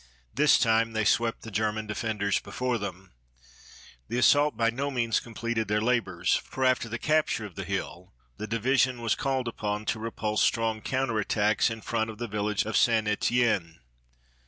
This time they swept the German defenders before them. The assault by no means completed their labors, for after the capture of the hill the division was called upon to repulse strong counter attacks in front of the village of St. Etienne.